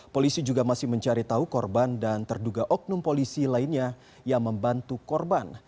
polisi juga masih mencari tahu korban dan terduga oknum polisi lainnya yang membantu korban